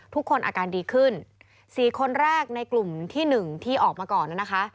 ทุกคนอาการดีขึ้น๔คนแรกในกลุ่มที่๑ที่ออกมาก่อนนะคะ